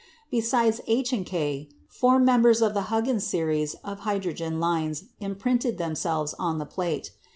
Besides H and K, four members of the Huggins series of hydrogen lines imprinted themselves on the plate.